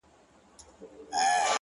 • دوی به دواړه وي سپاره اولس به خر وي ,